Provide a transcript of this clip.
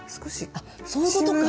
あっそういうことか！